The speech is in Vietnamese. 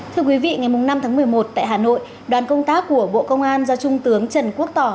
thưa quý vị ngày năm tháng một mươi một tại hà nội đoàn công tác của bộ công an do trung tướng trần quốc tỏ